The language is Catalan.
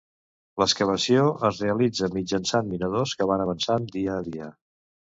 L'excavació es realitza mitjançant minadors que van avançant dia a dia.